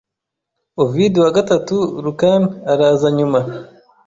Ovid wa gatatu Lukan araza nyuma